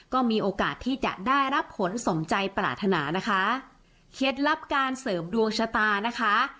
ก็มีโอกาสที่จะได้รับผลสมใจปรารถนานะคะเคล็ดลับการเสริมดวงชะตานะคะ